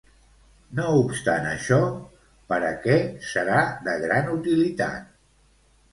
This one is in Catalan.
No obstant això, per a què serà de gran utilitat?